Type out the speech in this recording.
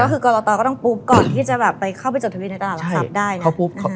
ก็คือกรตก็ต้องปุ๊บก่อนที่จะไปเข้าไปจดทะวินในตลาดลับสับได้